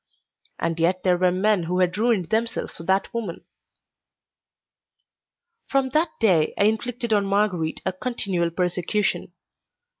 And yet there were men who had ruined themselves for that woman. From that day I inflicted on Marguerite a continual persecution.